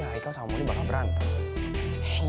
nanti haikal sama muli bakal berantem